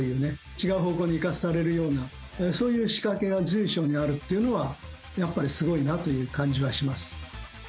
違う方向に行かされるようなそういう仕掛けが随所にあるっていうのはやっぱりすごいなという感じはします。